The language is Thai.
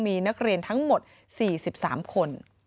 มีนักเรียนทั้งหมด๔๓คน